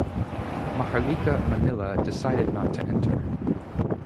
Maharlika Manila decided not to enter.